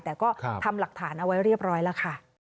แต่ก็ทำหลักฐานเอาไว้เรียบร้อยแล้วค่ะ